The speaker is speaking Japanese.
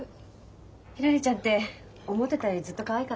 ひらりちゃんって思ってたよりずっとかわいかった。